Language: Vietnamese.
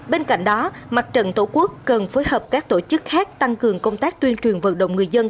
bên cạnh đó mặt trận tổ quốc cần phối hợp các tổ chức khác tăng cường công tác tuyên truyền vận động người dân